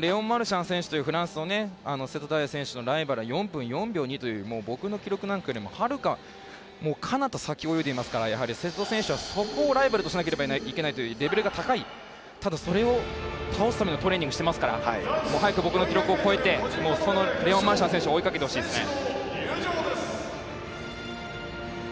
レオン・マルシャン選手というフランスの瀬戸大也選手のライバル４分４秒２という僕の記録なんかよりもはるかかなた先を泳いでいますからやはり瀬戸選手はそこをライバルとしなければいけないというレベルが高い、ただそれを倒すためのトレーニングしてますから早く僕の記録を超えてそのレオン・マルシャン選手を追いかけてほしいですね。